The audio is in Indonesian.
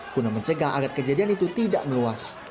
guna mencegah agar kejadian itu tidak meluas